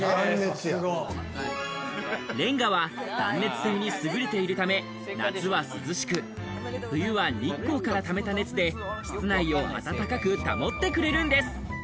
レンガは断熱性に優れているため、夏は涼しく、冬は日光から溜めた熱で室内を暖かく保ってくれるんです。